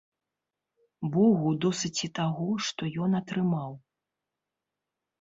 Богу досыць і таго, што ён атрымаў.